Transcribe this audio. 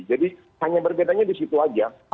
jadi hanya berbedanya di situ aja